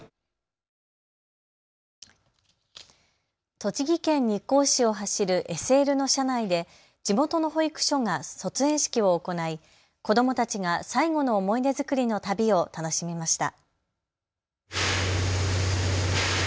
栃木県日光市を走るＳＬの車内で地元の保育所が卒園式を行い子どもたちが最後の思い出作りの旅を楽しみました。